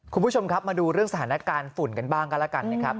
คุณผู้ชมครับมาดูเรื่องสถานการณ์ฝุ่นกันบ้างกันแล้วกันนะครับ